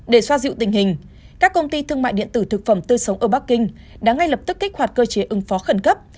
để xoa dịu tình hình các công ty thương mại điện tử thực phẩm tươi sống ở bắc kinh đã ngay lập tức kích hoạt cơ chế ứng phó khẩn cấp